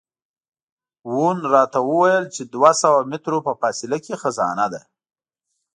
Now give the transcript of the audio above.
وون راته وویل چې دوه سوه مترو په فاصله کې خزانه ده.